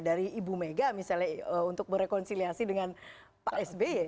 dari ibu mega misalnya untuk berrekonsiliasi dengan pak sby